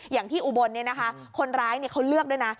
อย่างที่อุบลเนี่ยนะคะคนร้ายเนี่ยเขาเลือกด้วยนะ